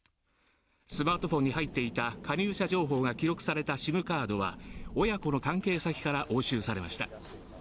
スマートフォンに入っていた加入者情報が記録されたＳＩＭカードは親子の関係先から押収されました。